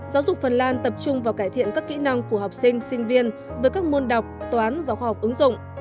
giáo dục phần lan tập trung vào cải thiện các kỹ năng của học sinh sinh viên với các môn đọc toán và khoa học ứng dụng